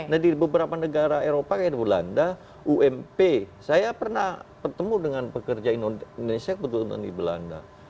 nah di beberapa negara eropa kayak di belanda ump saya pernah ketemu dengan pekerja indonesia kebetulan di belanda